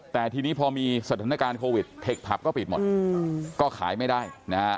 แต่ทีนี้พอมีสถานการณ์โควิดเทคผับก็ปิดหมดก็ขายไม่ได้นะฮะ